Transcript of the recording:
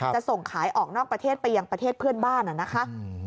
จะส่งขายออกนอกประเทศไปยังประเทศเพื่อนบ้านนะคะ